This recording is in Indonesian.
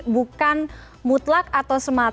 bukan mutlak atau semata